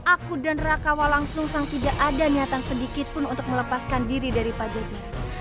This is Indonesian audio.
aku dan rakawa langsung sang tidak ada niatan sedikit pun untuk melepaskan diri dari pajaji